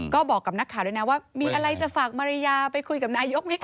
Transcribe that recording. ก็บอกกับนักข่าวด้วยนะว่ามีอะไรจะฝากมาริยาไปคุยกับนายกไหมค